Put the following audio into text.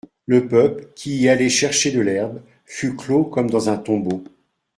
Le peuple, qui y allait chercher de l'herbe, fut clos comme dans un tombeau.